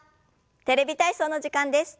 「テレビ体操」の時間です。